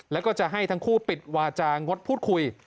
แล้วก็จะให้ทั้งคู่ปิดวาจางดพูดคุย